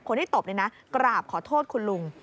ตบนี่นะกราบขอโทษคุณลุง